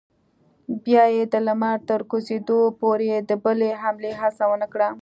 بیا یې د لمر تر کوزېدو پورې د بلې حملې هڅه ونه کړه.